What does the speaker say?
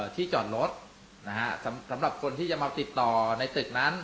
ที่จอดรถนะฮะสำหรับคนที่จะมาติดต่อในตึกนั้น